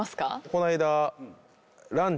この間。